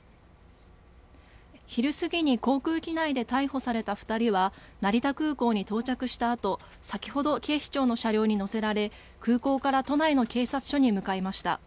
昼過ぎに航空機内で逮捕された２人は成田空港に到着したあと先ほど警視庁の車両に乗せられ空港から都内の警察署に向かいました。